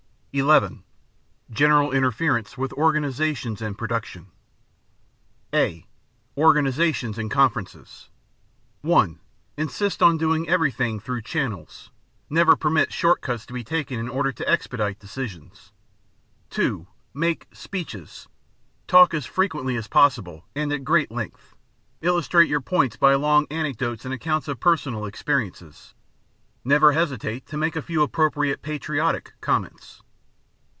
(11) General Interference with Organizations and Production (a) Organizations and Conferences (1) Insist on doing everything through "channels." Never permit short cuts to be taken in order to expedite decisions. (2) Make "speeches." Talk as frequently as possible and at great length. Illustrate your "points" by long anecdotes and accounts of personal experiences. Never hesitate to make a few appropriate "patriotic" comments.